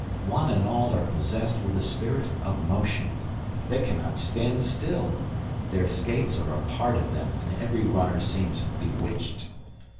One and all are possessed with the spirit of motion. They cannot stand still. Their skates are a part of them, and every runner seems bewitched.